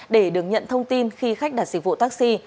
để được nhận thông tin khi khách đặt dịch vụ taxi